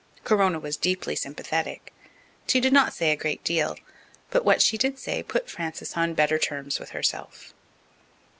Corona was deeply sympathetic. She did not say a great deal, but what she did say put Frances on better terms with herself.